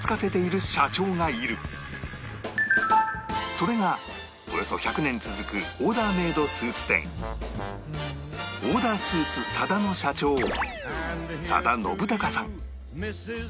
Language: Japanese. それがおよそ１００年続くオーダーメイドスーツ店オーダースーツ ＳＡＤＡ の社長佐田展隆さん